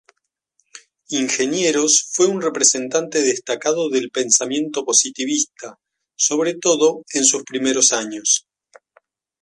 Ingenieros fue un representante destacado del pensamiento positivista, sobre todo en sus primeros años.